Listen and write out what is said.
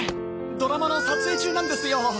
ドラマの撮影中なんですよ。